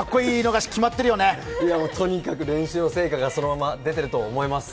とにかく練習の成果がそのまま出てると思います。